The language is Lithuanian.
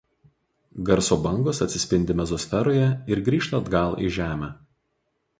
Garso bangos atsispindi mezosferoje ir grįžta atgal į žemę.